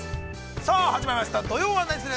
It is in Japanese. さあ、始まりました「土曜はナニする！？」。